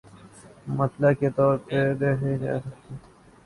مطالعے کے طور پہ دیکھی جا سکتی ہیں۔